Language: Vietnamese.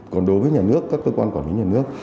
còn đối với nhà nước các cơ quan quản lý nhà nước